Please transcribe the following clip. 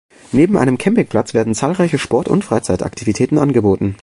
Neben einem Campingplatz werden zahlreiche Sport- und Freizeitaktivitäten angeboten.